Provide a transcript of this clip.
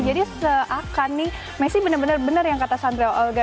jadi seakan nih messi benar benar yang kata sandro olga